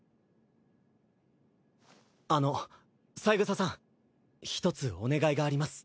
あの三枝さんひとつお願いがあります。